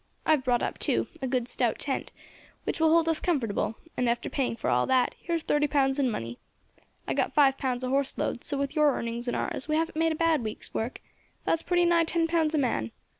I have brought up, too, a good stout tent, which will hold us comfortable, and, after paying for all that, here's thirty pounds in money. I got five pounds a horse load, so with your earnings and ours we haven't made a bad week's work; that's pretty nigh ten pounds a man.